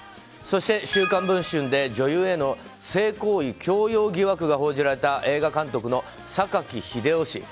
そして、「週刊文春」で女優への性行為強要疑惑が報じられた映画監督の榊英雄氏。